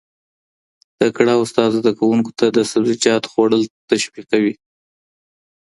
تکړه استاد زده کوونکو ته د سبزیجاتو خوړل تشویقوي.